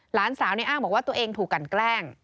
หลานสาวในอ้างบอกว่าตัวเองถูกกันแกล้ง